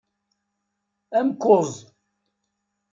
Amkuẓ.